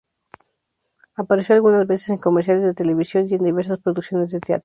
Apareció algunas veces en comerciales de televisión y en diversas producciones de teatro.